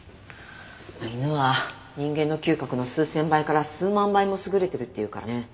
まあ犬は人間の嗅覚の数千倍から数万倍も優れてるっていうからね。